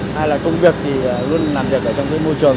hai là công việc thì luôn làm việc ở trong môi trường